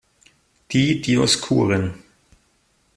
Die Dioskuren.